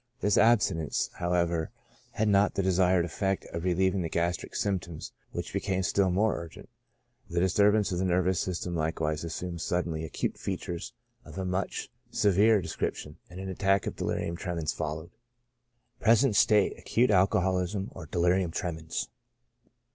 This abstinence, however, had not the desired ef fect of relieving the gastric symptoms, which became still SYMPTOMS. 35 more urgent. The disturbance of the nervous system likewise assumed suddenly acute features of a much severer description, and an attack of delirium tremens followed. Present state — Acute alcoholism^ or delirium tremens.